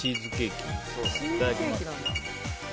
いただきます。